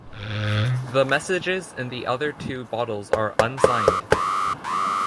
The messages in the other two bottles are unsigned.